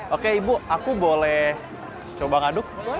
oke ibu aku boleh coba ngaduk